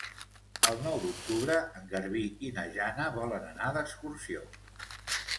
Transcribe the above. El nou d'octubre en Garbí i na Jana volen anar d'excursió.